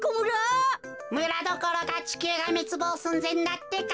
むらどころかちきゅうがめつぼうすんぜんだってか。